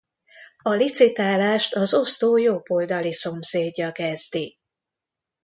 A licitálást az osztó jobb oldali szomszédja kezdi.